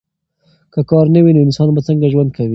که کار نه وي نو انسان به څنګه ژوند کوي؟